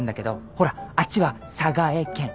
ほらあっちは「サガエケン」